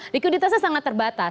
likuditasnya sangat terbatas